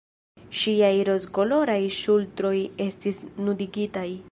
Ŝiaj rozkoloraj ŝultroj estis nudigitaj.